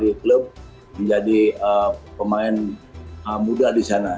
di klub menjadi pemain muda di sana